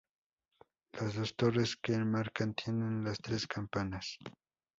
Las dos torres que enmarcan tienen las tres campanas.